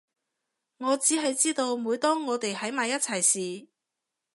我只係知道每當我哋喺埋一齊時